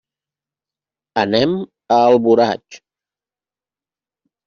Anem a Alboraig.